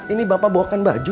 ini bapak bawakan baju